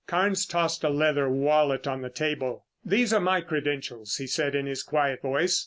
Carnes tossed a leather wallet on the table. "There are my credentials," he said in his quiet voice.